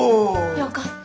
よかったぁ。